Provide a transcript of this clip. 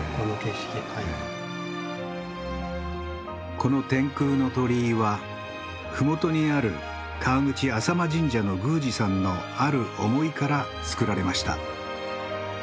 この天空の鳥居は麓にある河口浅間神社の宮司さんのある思いからつくられました。